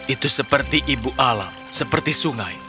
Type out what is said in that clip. itu seperti ibu alam seperti sungai